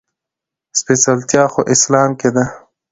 سپېڅلتيا خو اسلام کې ده.